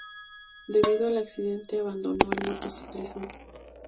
Debido al accidente abandonó el motociclismo.